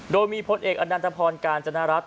โดยมีพลเอกอนันตพรกาญจนรัฐ